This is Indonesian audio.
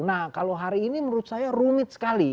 nah kalau hari ini menurut saya rumit sekali